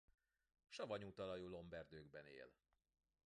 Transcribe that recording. Savanyú talajú lomberdőkben él.